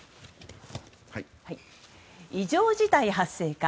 異常事態発生か。